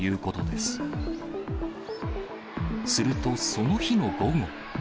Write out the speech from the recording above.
するとその日の午後。